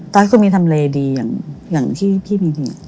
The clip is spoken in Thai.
ต้องมีทำเลดีอย่างที่พี่มีดี